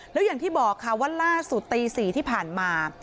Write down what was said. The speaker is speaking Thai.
แล้วอย่างที่บอกค่ะว่าล่าสุดตี๔ที่ผ่านมา